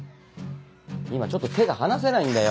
今ちょっと手が離せないんだよ